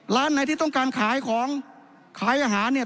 ร้านไหนที่ต้องการขายของขายอาหารเนี่ย